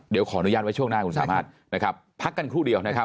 เดี๋ยวขอนุญาตไว้ช่วงหน้าคุณสามหาศพักกันครู่เดียว